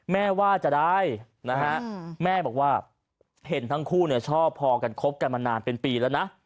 แม่ว่าจะได้นะฮะแม่บอกว่าเห็นทั้งคู่ชอบพอกันคบกันมานานเป็นปีแล้วนะ